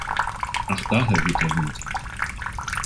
Ach daher weht der Wind.